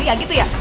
iya gitu ya